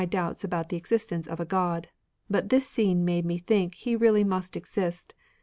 'doubts about the existence of a Qod ; but this scene made me think He really must exist.